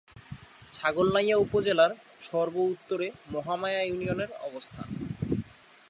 ছাগলনাইয়া উপজেলার সর্ব-উত্তরে মহামায়া ইউনিয়নের অবস্থান।